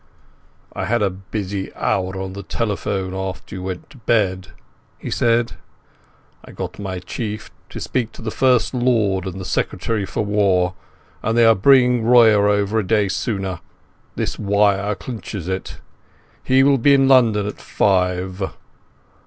"I had a busy hour on the telephone after you went to bed," he said. "I got my Chief to speak to the First Lord and the Secretary for War, and they are bringing Royer over a day sooner. This wire clinches it. He will be in London at five.